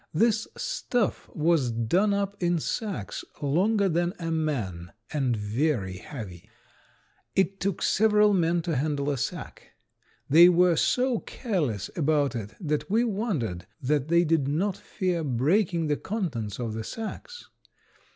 This stuff was done up in sacks longer than a man and very heavy. It took several men to handle a sack. They were so careless about it that we wondered that they did not fear breaking the contents of the sacks.